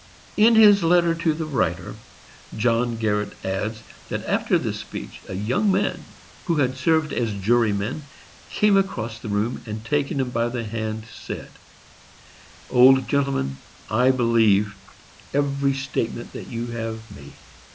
In his letter to the writer John Garret adds, that after this speech a young man who had served as juryman came across the room, and taking him by the hand, said: "Old gentleman, I believe every statement that you have made.